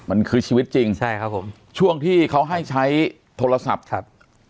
มันคือชีวิตจริงใช่ครับผมช่วงที่เขาให้ใช้โทรศัพท์ครับ